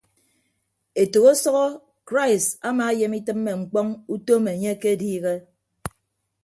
Etәk ọsʌhọ krais amaayem itịmme ñkpọñ utom enye akediihe.